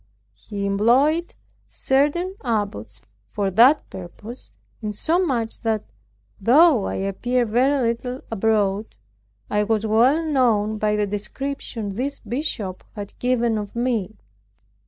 He employed certain abbots for that purpose, insomuch that, though I appeared very little abroad, I was well known by the description this bishop had given of me.